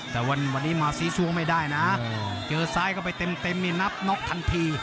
แต่วันนี้มาซีซัวไม่ได้นะเจอซ้ายเข้าไปเต็มนี่นับน็อกทันที